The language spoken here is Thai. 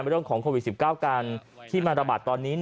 เรื่องของโควิด๑๙การที่มันระบาดตอนนี้